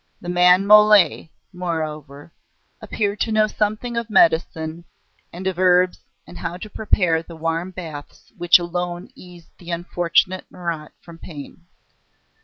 The man Mole, moreover, appeared to know something of medicine and of herbs and how to prepare the warm baths which alone eased the unfortunate Marat from pain.